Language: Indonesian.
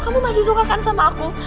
kamu masih sukakan sama aku